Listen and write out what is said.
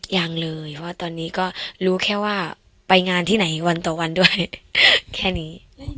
ยังเลยว่าตอนนี้ก็รู้แค่ว่าไปงานที่ไหนวันต่อวันด้วยแค่นี้